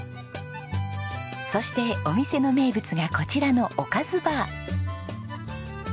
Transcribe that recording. そしてお店の名物がこちらのおかずＢＡＲ。